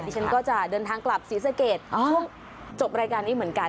ฉันก็จะเดินทางกลับศรีสะเกดช่วงจบรายการนี้เหมือนกัน